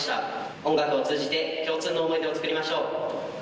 音楽を通じて、共通の思い出を作りましょう。